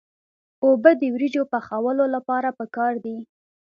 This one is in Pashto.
اوبه د وریجو پخولو لپاره پکار دي.